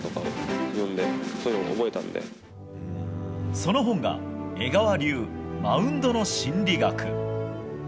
その本が「江川流マウンドの心理学」。